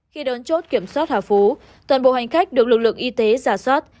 khi đón chốt kiểm soát hà phú toàn bộ hành khách được lực lượng y tế giả soát